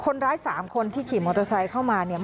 แต่น่าจะมาจากการที่คนร้ายสามคนที่ขี่มอเตอร์ไซค์เข้ามา